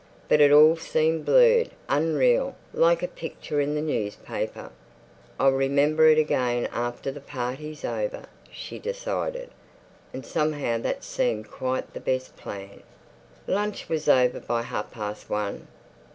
But it all seemed blurred, unreal, like a picture in the newspaper. I'll remember it again after the party's over, she decided. And somehow that seemed quite the best plan.... Lunch was over by half past one.